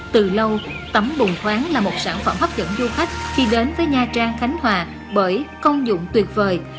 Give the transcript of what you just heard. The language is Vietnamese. từ lâu tấm bồng khoáng là một sản phẩm hấp dẫn du khách khi đến với nha trang khánh hòa bởi công dụng tuyệt vời